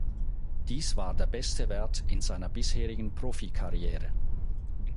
Dies war der beste Wert in seiner bisherigen Profikarriere.